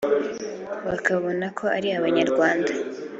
bakabona ko ari iby’Abanyarwanda